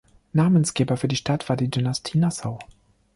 Namensgeber für die Stadt war die Dynastie Nassau.